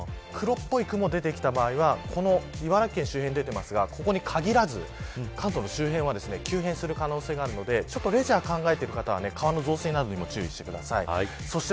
黒っぽい雲が出てきた場合は茨城県周辺に出ていますがここに限らず関東の周辺は急変する可能性があるのでレジャーを考えている方は川の増水などにも注意してください。